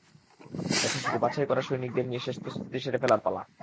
এখন শুধু বাছাই করা সৈনিকদের নিয়ে শেষ প্রস্তুতি সেরে ফেলার পালা।